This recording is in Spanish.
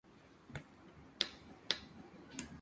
El barrio es uno de los de menor extensión del municipio.